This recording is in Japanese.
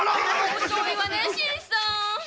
遅いわね新さん！